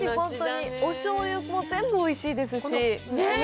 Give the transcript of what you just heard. お醤油も全部おいしいですし。